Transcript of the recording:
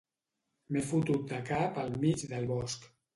M'he fotut de cap al mig del bosc